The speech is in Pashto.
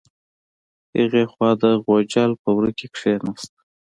هغې خوا د غوجل په وره کې کیناست.